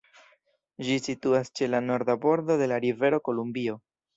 Ĝi situas ĉe la norda bordo de la rivero Kolumbio.